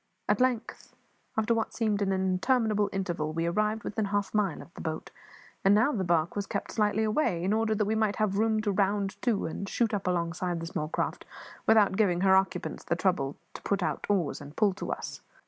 At length, after what seemed an interminable interval, we arrived within half a mile of the boat; and now the barque was kept slightly away, in order that we might have room to round to and shoot up alongside the small craft without giving her occupants the trouble to out oars and pull to us.